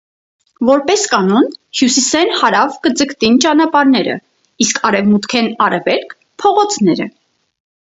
Որպէս կանոն՝ հիւսիսէն հարաւ կը ձգտին ճանապարհները, իսկ արեւմուտքէն արեւելք՝ փողոցները։